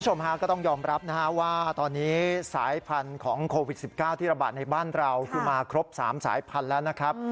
คุณผู้ชมฮะก็ต้องยอมรับนะฮะว่าตอนนี้สายพันธุ์ของโควิด๑๙ที่ระบาดในบ้านเราคือมาครบ๓สายพันธุ์แล้วนะครับ